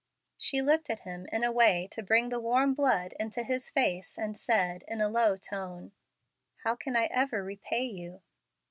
She looked at him in a way to bring the warm blood into his face, and said, in a low tone, "How can I ever repay yon?"